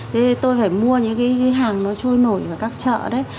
thế thì tôi phải mua những cái hàng nó trôi nổi ở các chợ đấy